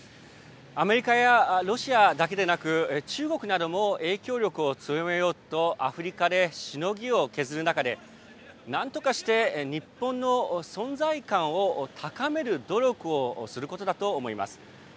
アメリカやロシアだけでなく、中国なども影響力を強めようと、アフリカでしのぎを削る中で、なんとかして日本の存在感を高める努力をすることだと思います。